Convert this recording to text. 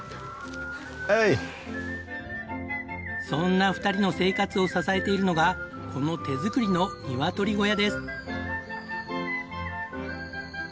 そんな２人の生活を支えているのがこの手作りのニワトリ小屋です。